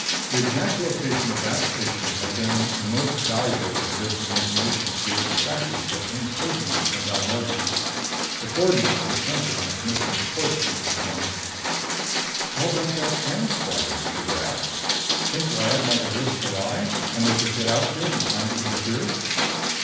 The exact location of that station had been the most valuable of the bits of information she had extracted so painstakingly from Balmordan. The coordinates were centered on the Commissioner's course screen at the moment. "How about that Tranest squadron?" Trigger asked. "Think Lyad might have risked a lie, and they could get out here in time to interfere?"